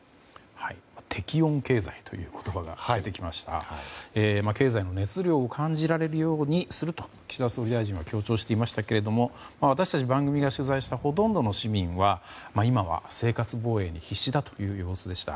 適温経済という言葉が出てきましたが経済の熱量を感じられるようにすると岸田総理大臣は強調していましたけれども私たち、番組が取材したほとんどの市民は今は生活防衛に必死だという様子でした。